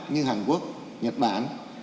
như hàn quốc nhật bản